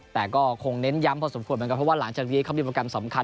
แต่ก็คงเน้นย้ำพอสมควรเหมือนกันเพราะว่าหลังจากนี้เขามีโปรแกรมสำคัญ